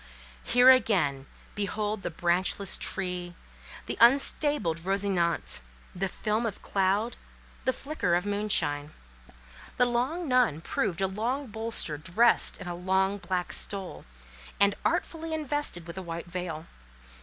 Here again—behold the branchless tree, the unstabled Rosinante; the film of cloud, the flicker of moonshine. The long nun proved a long bolster dressed in a long black stole, and artfully invested with a white veil.